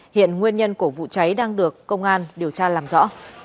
hiện nguyên nhân của vụ cháy đang được công an điều tra làm rõ